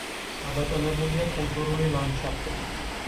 გაბატონებულია კულტურული ლანდშაფტები.